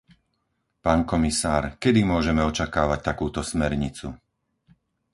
Pán komisár, kedy môžeme očakávať takúto smernicu?